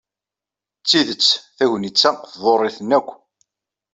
D tidet tagnit-a tḍurr-iten akk.